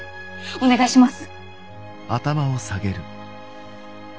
お願いします！